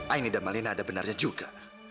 aini dan malina ada benarnya juga